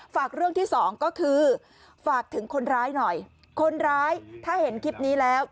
ฝากเรื่องที่สองก็คือฝากถึงคนร้ายหน่อยคนร้ายถ้าเห็นคลิปนี้แล้ว